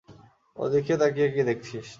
ওদিকে তাকিয়ে কী দেখছিস!